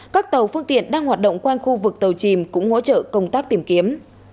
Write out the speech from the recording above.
các tàu phương tiện đang hoạt động quanh khu vực tàu chìm cũng hỗ trợ công tác tìm kiếm